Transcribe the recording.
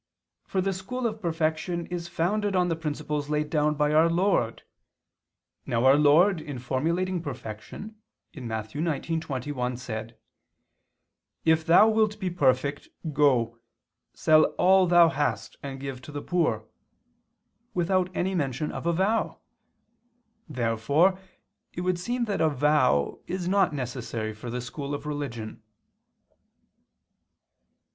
For the school of perfection is founded on the principles laid down by our Lord. Now our Lord in formulating perfection (Matt. 19:21) said: "If thou wilt be perfect, go, sell all [Vulg.: 'what'] thou hast, and give to the poor," without any mention of a vow. Therefore it would seem that a vow is not necessary for the school of religion.